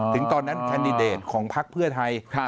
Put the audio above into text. ถึงตอนนั้นแคนดิเดตของพักเพื่อไทย